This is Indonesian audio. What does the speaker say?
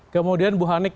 kemudian bu hanik